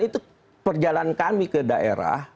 itu perjalanan kami ke daerah